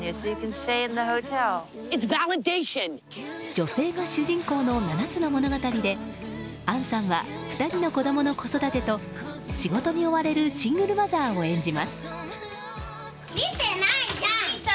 女性が主人公の７つの物語で杏さんは２人の子供の子育てと仕事に追われるシングルマザーを演じます。